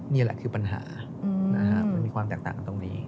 นี่แหละคือปัญหามันมีความแตกต่างกันตรงนี้